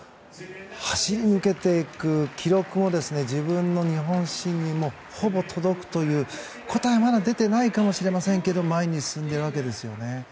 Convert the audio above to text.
走り抜けていく、記録も自分の日本新にもほぼ届くという答えはまだ出ていないかもしれませんけども前に進んでいるわけですよね。